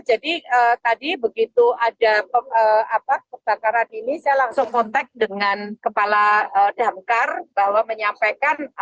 jadi tadi begitu ada pekerjaan ini saya langsung kontak dengan kepala dlk bahwa menyampaikan